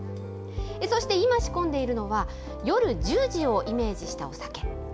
そして今、仕込んでいるのは夜１０時をイメージしたお酒。